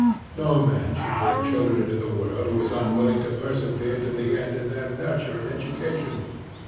No man should bring children into the world who is unwilling to persevere to the end in their nurture and education.